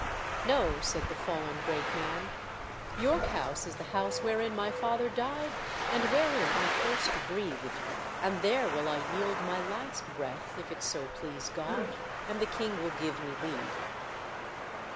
"No," said the fallen great man; "York House is the house wherein my father died and wherein I first breathed, and there will I yield my last breath, if it so please God, and the king will give me leave."